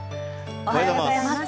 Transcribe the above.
おはようございます。